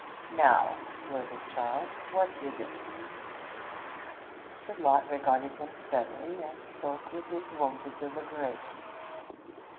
'Now,' blurted Charles, 'what is it?' Mr. Lott regarded him steadily, and spoke with his wonted deliberation.